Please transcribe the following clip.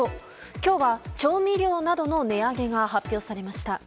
今日は調味料などの値上げが発表されました。